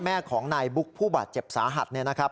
แม่ของนายบุ๊กผู้บาดเจ็บสาหัสเนี่ยนะครับ